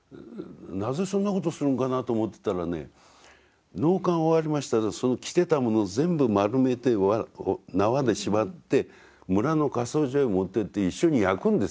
なぜそんなことするんかなと思ってたらね納棺終わりましたらその着てたもの全部丸めて縄で縛って村の火葬場へ持ってって一緒に焼くんですよ。